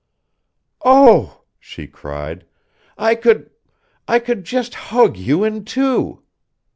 "Oh," she cried, "I could I could just hug you in two."